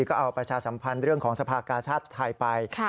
ก็เอาประชาสัมพันธ์เรื่องของสภากาชาติไทยไป